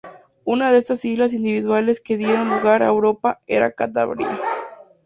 Una de estas islas individuales que dieron lugar a Europa era Cantabria.